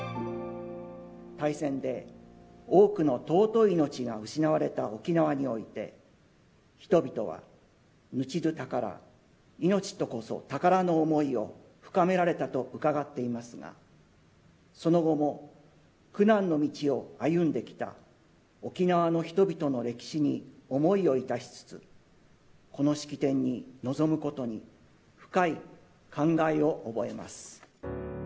大戦で多くの尊い命が失われた沖縄において、人々は命どぅ宝、命こそ宝の思いを深められたと伺っていますが、その後も苦難の道を歩んできた沖縄の人々の歴史に思いを致しつつ、この式典に臨むことに深い感慨を覚えます。